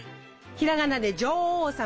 ひらがなで「女王様」！